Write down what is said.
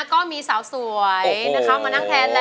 ก็มีตีเสาสวยนะคะอู้ยโอ้โฮมานั่งแทนแล้ว